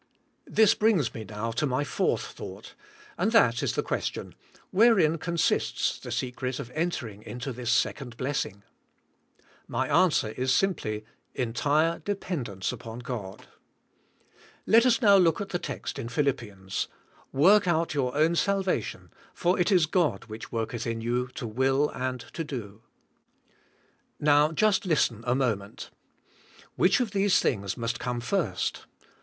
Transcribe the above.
This brings me now to my fourth thought, and that is the question, Wherein consists the secret of entering into this second blessing? My answer is simply, entire dependence upon God. Let us now look at the text in Philippians, "Work out your own salvation, for it is God which worketh in you to will WII<tINa AND DOINCi* l87 and to do." Now just listen a moment. Which of these thing's must come first?